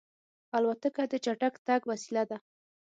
الوتکه د چټک تګ وسیله ده.